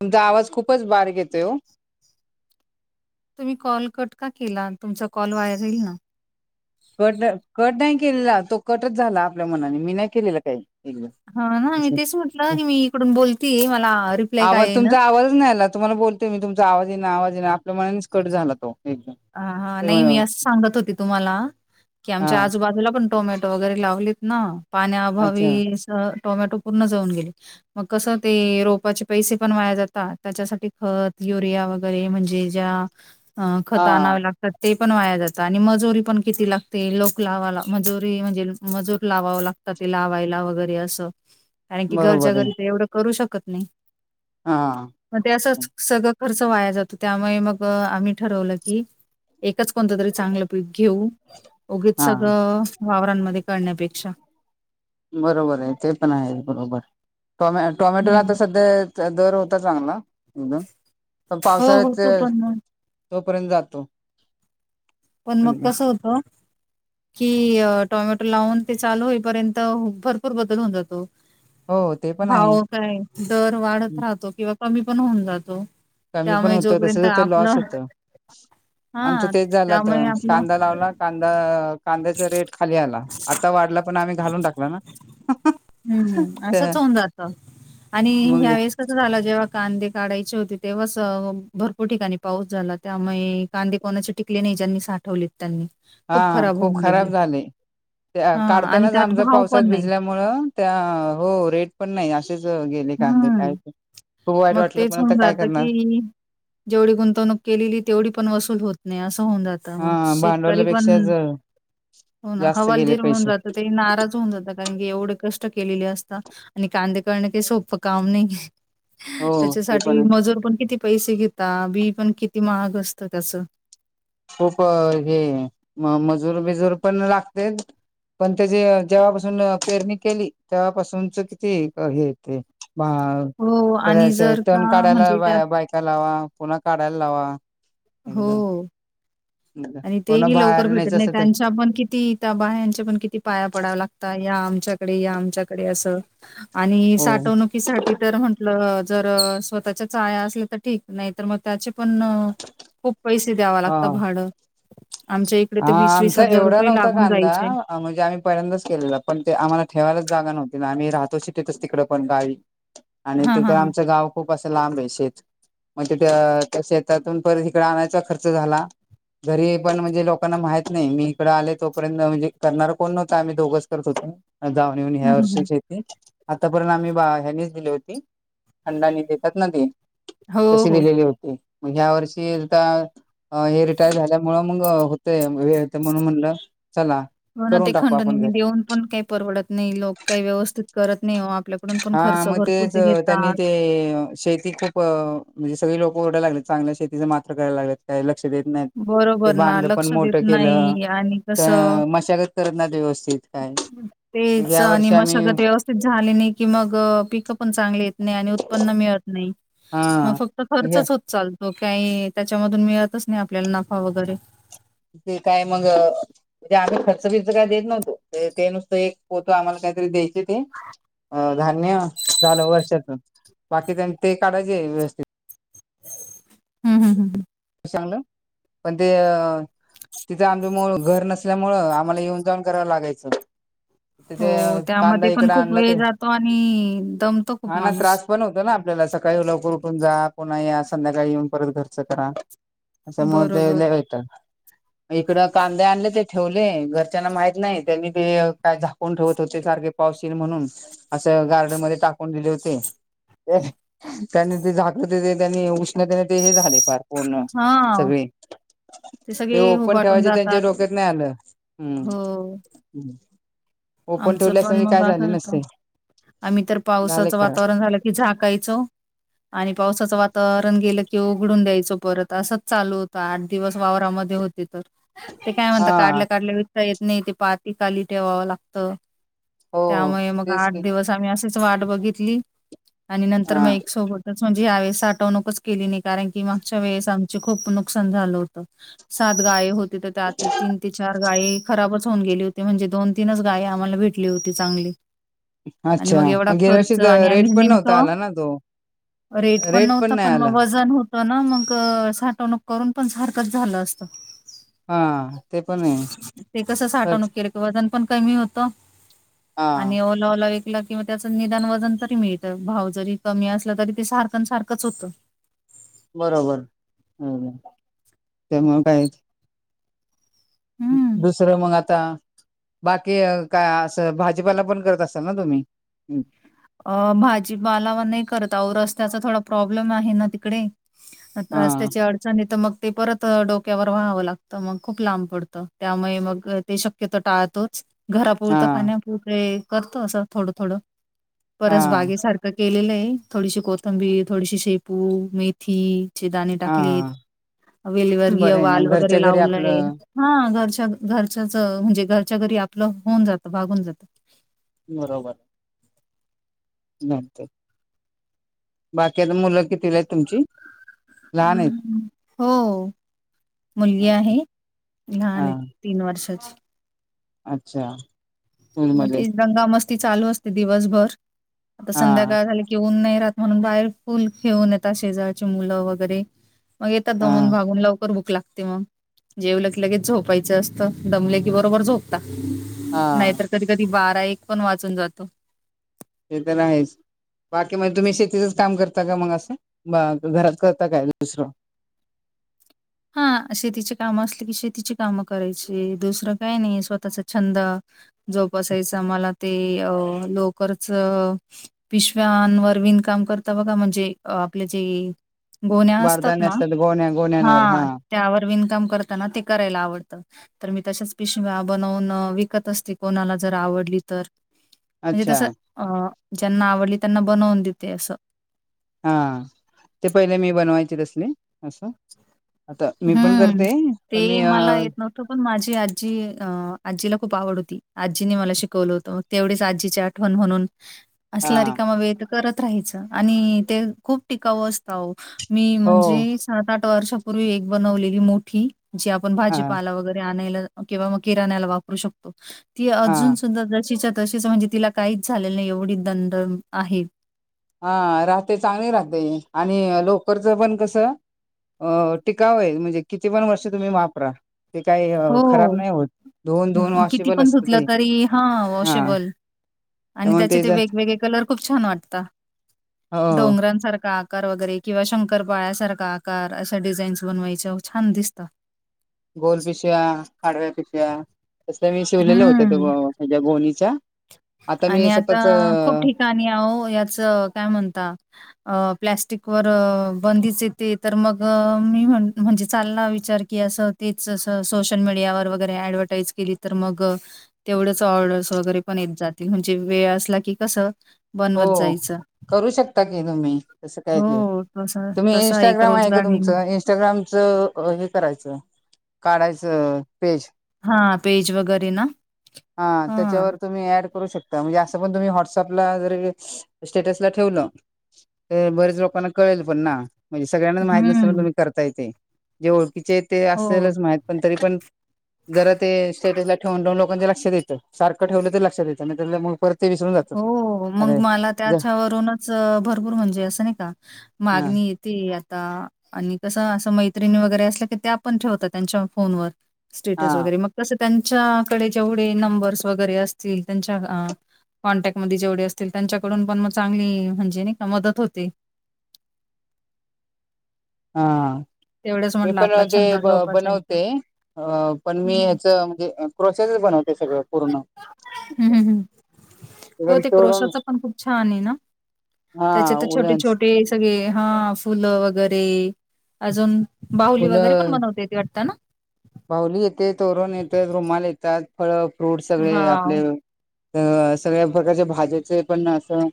तुमचा आवाज खूपच बारीक येतोय ओ. तुम्ही कॉल कट का केला तुमचा कॉल वाया गेला ना. कट कट नाही केलेला तो कटच झाला आपल्या मनाने मी नाही केलेला काही हा ना मी असं तेच म्हटलं की मी इकडून बोलते मला रिप्लाय का येईना. कॉल नाही आला तुम्हाला तुम्ही तुमचा आवाज येईना आवाज येईना आपल्या मनांचा कट झाला तो एकदम हा हा ते नाही मी म्हण असं सांगत होती तुम्हाला की आमच्या हा आजूबाजूला पण टोमॅटो वगैरे लावलीत ना पाण्याअभावी अच्छा टोमॅटो पूर्ण जळून गेलेत. मग कसं ते रोपाचे पैसे पण वाया जातात त्याच्यासाठी खत युरिया वगैरे म्हणजे ज्या ह खता हा आणनावे लागत. तर ते पण वाया जातं आणि मजुरी पण किती लागते लोक लावा मजुरी म्हणजे मजूर लावा लाग. तर ते लावायला वगैरे असं कारण की घरच्या बरोबर आहे घरी तर एवढं करू शकत नाही. हा. मग ते असंच सगळं खर्च वाया जातो त्यामुळे मग आम्ही ठरवलं की एकच कोणतं तरी चांगलं पीक घेऊ उगीच हा सगळं वावरांमध्ये करण्यापेक्षा बरोबर आहे ते पण आहे बरोबर टॉम टोमॅटोला आता हम्म. सध्या दर होता चांगला एकदम पण हो हो पावसाळ्याचे तो पण मग तोपर्यंत जातो. पण मग एकदम कसं होतं. कि टोमॅटो लावून ते चालू होईपर्यंत भरपूर बदल होऊन जातो. हो ते पण आहे भाव काय दर वाढत राहतो किंवा कमी पण होऊन जातो. कमी पण त्यामुळे होत जोपर्यंत तसच ते आपलं लॉस होत आमचं हां तेच त्यामुळे झालं. आपलं कांदा लावला कांदा कांद्याचा रेट खाली आला आता वाढला पण आम्ही घालून टाकला ना. हम्म हम् तर असंच होऊन जात आणि मग ह्या कस झाला जेव्हा कांदे काढायचे होते तेव्हाच भरपूर ठिकाणी पाऊस झाला. त्यामुळे कांदे कोणाचे टिकले नाही ज्यांनी साठवले. त्यांनी हा खराब खूप होऊन गेले. खराब झाले हां आणि काढतानाच त्यात आमच्या भाव पावसात पण नाही. भिजल्या त्या हो रेट पण नाही असेच गेले कांदे हं. कायच. मग तेच होऊन जात की जेवढी गुंतवणूक केलेली तेवढी पण वसूल होत नाही असं होऊन जात. हा मग शेतकरी पण भांडवल्यापेक्षाच हो ना जास्त गेले हवालदीर होऊन पैसे जात ते नाराज होऊन जातात. कारण की एवढे कष्ट केलेले असत आणि कांदे करण काही सोपं काम नाही. हो ते पण त्याच्यासाठी मजूर पण किती पैसे घेता बी पण किती महाग असतं. खूप हे म मजूर बिजूर पण लागते. पण त्याची जेव्हापासून पेरणी केली तेव्हापासूनच किती हे ते बा हो आणि त्याला जर का तण काढायला म्हणजे त्यात बा बायका लावा पुन्हा काढायला लावा. हो. एकदम आणि कोणा तेही लवकर बाहेर भेटत न्यायचं नाही असेल तर त्यांच्या पण किती? त्या बाया्यांचे पण किती पाया पडाव लागत या आमच्याकडे या आमच्याकडे असं. आणि हो साठवणुकीसाठी तर म्हंटलं जर स्वतःच्या या असल्या तर ठीक. नाहीतर म त्याचे पण खूप पैसे द्याव हा. लागतं भाडं आमच्या इकडे तर आमचा एवढ नव्हता लागून कांदा जायचे. हा म्हणजे आम्ही पहिल्यांदाच केलेलं पण ते आम्हाला ठेवायलाच जागा नव्हती ना आम्ही राहातो शिटीतच तिकड पण गावी आणि हां, तिथ हां, हां. आमचं गाव खूप असं लांबय शेत म्हणजे त्या त्या शेतातून परत इकड आणायचा खर्च झाला घरी पण म्हणजे लोकांना माहित नाही मी इकडं आलोय तोपर्यंत म्हणजे करणार कोण नव्हंत आम्ही दोघच करत होतो. जाऊन येऊन हं, ह्या हं, वर्षी हं. शेती आतापर्यंत आम्ही बा ह्यानीच दिली होती खंडानी देतात ना ती हो, तशी हो. दिलेली होती मग ह्या वर्षी आता हे रिटायर झाल्या मुळ मग हुतय वेळते म्हणून म्हणलं चला हो ना करून ते टाकू आपण घरी खंडूनी देऊन पण काही परवडत नाही लोक काही व्यवस्थित करत नाही ओ हा मग तेच त्यांनी ते शेती खूप प म्हणजे सगळे लोक ओरडाला लागलेत चांगल्या शेतीच मात्र करायला लागलेत. काही लक्ष देत नाहीत ते बरोबर ना, बांध पण लक्ष देत मोठं केलं नाही आणि त कसं मशागत करत नाहीत व्यवस्थित काय मग तेच या आणि वर्षी आम्ही मशागत व्यवस्थि तीत झाली नाही की मग पिकं पण चांगली येत नाही आणि उत्पन्न मिळत नाही. हा मग फक्त म्हणजे खर्चच होत चालतो काही त्याच्यामधून मिळतच नाही आपल्याला नफा वगैरे ते काय मग म्हणजे आम्ही खर्च बिर्च काय देत नव्हतो ते नुसतं एक पोत आम्हाला काहीतरी द्यायचे ते अ धान्य झालं वर्षातून बाकी त्यांन ते काढायचे व्यवस्थित हम्म हम्म हम्म चांगलं पण ते अ तिथे आमच मुळ घर नसल्यामुळं आम्हाला येऊन जाऊन करावं लागायचं. तिथे हो, कांदा त्यामध्ये पण इकड खूप आणला वेळ ते जातो आणि दमतो खूप हा ना माणूस. त्रास पण होतो ना आपल्याला सकाळी लवकर उठून जा पुन्हा या संध्याकाळी येऊन परत घरचं करा. अशामुळं ते बरोबर. लय वैताग इकड कांदे आणले ते ठेवले घरच्यांना माहित नाही त्यांनी ते काय झाकून ठेवत होते सारखे पाऊस ईल म्हणून असं गार्डन मध्ये टाकून दिले होते. त्यांनी ते झाकत होते त्यांनी उष्णतेने ते हे झाले पार पूर्ण हां, सगळी ते सगळे ओपन हुबाटून ठेवायचे त्यांच्या जातात. डोक्यात नाही आलं हम् हो. आमचं पण मग असं होत नसते आम्ही तर झाले पावसाचं खरं वातावरण झालं की झाकायचो. आणि पावसाचं वातावरण गेलं की उघडून द्यायचो परत असंच चालू होतं आठ दिवस वावरामध्ये हो तिथं ते काय म्हणता हा काढल्या काढल्या विकता येत नाही ते पाती खाली ठेवावं लागत. हो त्यामुळे मग तेच आठ की दिवस आम्ही अशीच वाट बघितली. आणि नंतर मग हा एक सोबतच होऊन यावेळी साठवणूकच केली नाही कारण की मागच्या वेळेस आमच खूप नुकसान झालं होत. सात गाय होते तर त्यातली तीन ते चार गाय खराबच होऊन गेली होती म्हणजे दोन तीनच गाय आम्हाला भेटली होती चांगली आणि अच्छा मग एवढा गेल्या वर्षी खर्च आणि रेट आम्ही पण नव्हता नेमकं आला ना तो रेट पण नव्हता पण म वजन हो तन मग साठवणूक करून पण सारखंच झालं असत. हा ते पणये कसं तच साठवणूक केलं वजन पण कमी होत हा आणि ओ लावला विकला किंवा त्याच निदान वजन तरी मिळतं भाव जरी कमी असलं तरी ते सारखं सारखंच होतं बरोबर त्यामुळे काय हम्म. दुसरं मंगता बाकी काय असं भाजीपाला पण करत असाल ना तुम्ही् अ भाजी बालावा नाही करत आ रस्त्याचा थोडा प्रॉब्लेम आहे ना तिकडे आता हा आज त्याची अडचण आहे तर मग ते परत डोक्यावर व्हावं लागतं मग खूप लांब पडतं त्यामुळे मग ते शक्यतो टाळतोच हा घरापुरतं खाण्यापुरते करतो असं थोडं थोडं हा परस बागेसारखं केलेलं आहे थोडीशी कोथंबीर थोडीशी शेपू मेथी दाणे हा टाकलीत वेलीवर ग बरं आहे ना वाल घरच्या वगैरे घरी लावलंय आपलं हा घरच्या घरच्याच म्हणजे घरच्या घरी आपलं होऊन जातं भागून जातं बरोबर नंतर बाकी अता मुलं कितविला आहेत तुमची लहान आहेत हं. हो मुलगी आहे लहान आहे हा तीन वर्षाची अच्छा मग स्कूलमध्ये तेच दंगा मस्ती चालू असते दिवसभर आता हा संध्याकाळ झाली येेऊन नाही राहात म्हणून बाहेर फुल घेऊन येतात शेजारची मुलं वगैरे मग येतता हा दमून भागून लवकर बुक लागते मग जेवल की लगेच झोपायचं असतं दमले की बरोबर झोपतात हा नाहीतर कधी कधी बारा एक पण वाजुन जातो ते तर आहेच बाकी म्हणजे तुम्ही शेतीचच काम करता का मग असं घरात करता काय दुसरं हा शेतीचे काम असले की शेतीची कामं करायची दुसरं काय नाही स्वतःचा छंद जोपसायच मला ते अ लोकरच पिशव्यां आण वर विण काम करता बघा म्हणजे आपल्या जे गोण्या्या असतात ना गोण्या गोनवर हा त्यावर विनकम करताना ते करायला आवडतं तर मी तशाच पिशव्या बनवून विकत असते कोणाला जर आवडली तर म्हणजे अच्छा तस अ ज्यांना आवडली त्यांना बनवून देते असं हा ते पहिले मी बनवायचे तसले असं आता मी पण करते पण मी अ त पण माझी आजी आजीला खूप आवड होती आजीनी मला शिकवलं होतं तेवढीच आजीची आठवण म्हणून [inaudible] असला रिकामा वेळ तर करत राहायचं आणि ते खूप टिकावं असत अहो मी हो म्हणजे सात आठ वर्षापूर्वी एक बनवलेली मोठी जी पण हा भाजीपाला वगैरे आणायला किंवा मग किराणा ला वापरू शकतो ती हा अजून सुद्धा जशीच्या तशीच म्हणजे तिला काहीच झालेलं नाही एवढी दंड आहे हा राहते चांगली राहते आणि लोकरचं पण कसं अ टिकाव आहे म्हणजे किती पण वर्ष तुम्ही वापरा ते काही खराब हो. नाही होत धुवून धुवून किती वॉशेबल पण असतं धुतलं ते तरी हा हा वॉशेबल आणि त्यामुळे त्याचे ज ते वेगवेगळे कलर खूप छान वाटतात हो डोंगरांसारखा आकार वगैरे किंवा शंकरपाळ्यासारखा आकार अशा डिझाईन्स बनवायच्या छान दिसतात. गोल पिशव्या आडव्या पिशव्या तस मी शिवलेले होत ते हम्म. ह्याचं गोणीच्या आता मी स्वतःच अं [unintelligible] अहो याच काय म्हणता अ प्लॅस्टिक वर बंदीच येते तर मग मी म्हण म्हणजे चालनार विचार की असं तेच सोशल मीडियावर वगैरे ऍडव्हटाईज केली तर मग तेवढंच ऑर्डर्स वगैरे पण येत जातील म्हणजे वेळ असला की कसं हो बनवत जायचं. करू शकता की तुम्ही तसं काय ते हो तसा तुम्ही तसा एक इंस्टाग्राम आहे का रोजगार निर्माण तुमचं इ इंस्टाग्रामचं हे करायचं काढायचं पेज. हां, पेज वगैरे ना? हां त्याच्यावर तुम्ही ऍड करू शकता. म्हणजे असं पण तुम्ही वॉट्सपला स्टेटस ला ठेवलं तर बरेच लोकांना कळेल पण ना. म्हणजे सगळ्यांनाच माहीत नसताना हं. तुम्ही करताय ते जे ओळखीचे ते हो, असेलच माहित पण तरी पण जरा ते स्टेटसला ठेवून ठेऊन लोकांचे लक्ष येत सारखं ठेवलं तर लक्ष द्यायं त्या मग परत ते विसरून जातात हो मग अरे मला ज त्याच्यावरूनच भरपूर म्हणजे असं नाही का हा मागणी किती आता आणि कसं असं मैत्रिणी वगैरे असल्या की त्या पण ठेवतात त्यांच्या फोनवर. स्टेटस हा वगैरे मग कसं त्यांच्याकडे जेवढे नंबर्स वगैरे असतील त्यांच्या कॉन्टॅक्ट मध्ये जेवढे असतील त्यांच्याकडून पण मग चांगली म्हणजे नाही का मदत होते. हां तेवढंच मी म्हटलं पण आपला ते छंद जोपासायचा. बनवते अ पण हं, मी हं. ह्याच म्हणजे क्रोशाच बनवते सगळं पूर्ण. हं, हं, हं. हो इव्हन ते चोरून क्रोशाच पण खूप छान आहे ना हा त्याच्या तर छोटे उल छोटे सगळे हा फुलं वगैरे अजून बाहुली वगैरे पण बनवता येते वाटत ना? बाऊुली येते, तोरण येतात, रुमाल येतात, फळ फ्रूट सगळे वॉव! आपले तर सगळ्या प्रकारच्या भाज्याचे पण असं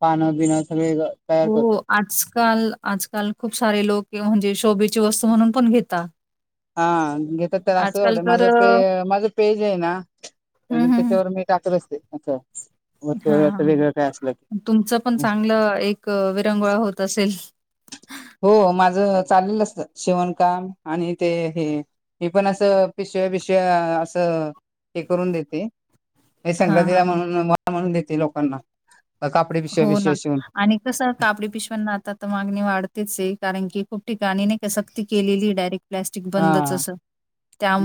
पानं बिणं सगळे तयार हो करतो आजकाल आजकाल खूप सारे लोक म्हणजे शोभेची वस्तू म्हणून पण घेेतात. हा घेत तर असं होतं तर माझं पे अ, माझं पेज आहे ना हं, हं, त्याच्यावर मी टाकत असते असं हा वरच वेगळं काय असलं की हा तुमचं पण चांगलं एक विरंगुळा होत असेल. हो माझं चाललेल असत शिवणकाम आणि ते हे. मी पण असं पिशव्या बिशव्या असं हे करून देते. हां, संक्रांतीला हां, हां. म्हणून वाण म्हणून देते लोकांना कापडी पिशव्या हो ना. बिशव्या शिऊन. आणि कसं कापडी पिशव्यांना आता तर मागणी वाढतेच आहे कारण की खूप ठिकाणी नाही कसं सक्ती केलेलीच आहे डायरेक्ट प्लॅस्टिक बंदच हा असं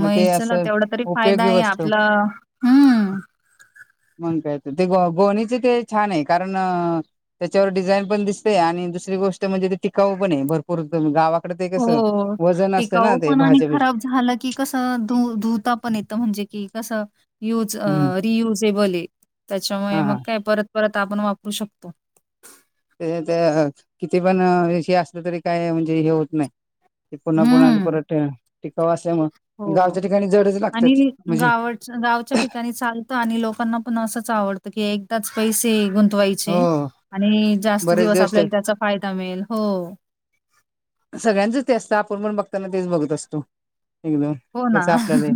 मग ते चला असं तेवढा तरी फायदा उपयोगी आहे वस्तू आपला हम्म मग कायच ते ग गोणीच ते छान आहे कारण त्याच्यावर डिझाईन पण दिसते आणि दुसरी गोष्ट म्हणजे ते टिकाऊ पण आहे भरपूर गावा हो टिकाऊ पण आणि भाज्या बीज खराब झाला की कसं धू धुता पण येतं म्हणजे कि कसं युज हम्म रियुजेबल आहे त्याच्यामुळे हा मग हा काय परत परत आपण वापरू शकतो. ते किती पण हे असलं तरी काय म्हणजे हे होत नाही. ते पुन्हा पुन्हा हं. परत टिकावू असल्यामुळे हो. गावच्या ठिकाणी जडच लागतात आणि म्हणजे गाव गावच्या ठिकाणी चालतं आणि लोकांना पण असंच आवडतं की एकदाच पैसे गुंतवले. वायचे हो आणि जास्त बरेच दिवस ते आपल्याला त्याचा फायदा मिळेल हो. सगळ्यांचंच ते असतं आपण पण बघताना तेच बघत असतो. एकदंम हो ना कसं आपल्यांला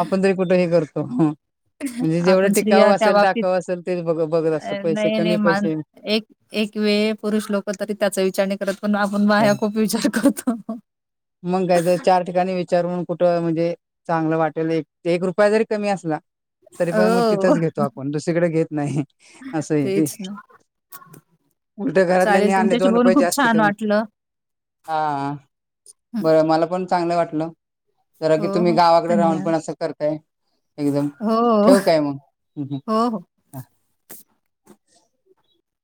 आपणं तरी कुठे हे करतो म्हणजे जेवढं आपण स्त्रिया टिकावं त्या असेल बाबतीत टाकावं असेल तेचं बघं बघतं असतं अ, पैसे नाही कमी नाही मान पैसे एक एक वेळं पुरुष लोकं तरी त्यांचं विचारणे करतं पणं आपणं हे. बायाचं विचार करतो मग काय तर चार ठिकाणीं विचारूंन कुठं म्हणजे चांगलं वाटेल एक रुपया जरी कमी असंला तरी पणं मंग हो तिथंच घेतो आपणं दुसरीकडे घेतं नाहीं असं ते तेच ना उलट्यां चालेल घरातल्यांने आणलें तुमच्याशी दोन बोलून रुपये खूप जास्तं छान देऊंन वाटलं हां हं, बरं मलां पणं चांगलं वाटलं जरां हो की तुम्हीं हो गावांकडे राहूंन धन्यवाद पणं असं करतांय एकदंम हो ठेवू कायं मंग हो हो